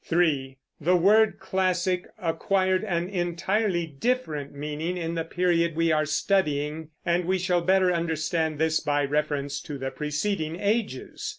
(3) The word "classic" acquired an entirely different meaning in the period we are studying; and we shall better understand this by reference to the preceding ages.